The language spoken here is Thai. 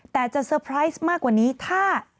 แต่จะเตอร์ไพรส์มากกว่านี้ถ้า